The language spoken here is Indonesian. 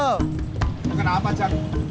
lo kenapa jack